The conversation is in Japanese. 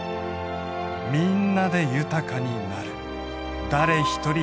みんなで豊かになる。